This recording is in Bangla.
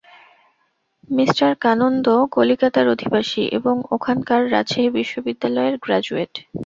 মি কানন্দ কলিকাতার অধিবাসী এবং ওখানকার রাজকীয় বিশ্ববিদ্যালয়ের গ্র্যাজুয়েট।